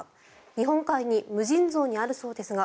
日本海に無尽蔵にあるそうですが。